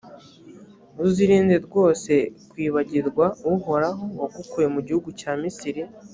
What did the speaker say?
uzirinde rwose kwibagirwa uhoraho wagukuye mu gihugu cya misiri,